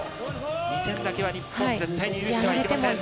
２点だけは日本絶対に許してはいけません。